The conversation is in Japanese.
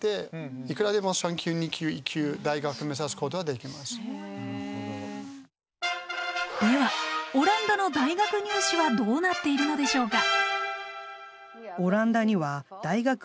ではオランダの大学入試はどうなっているのでしょうか？